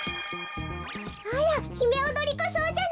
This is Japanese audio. あらヒメオドリコソウじゃない！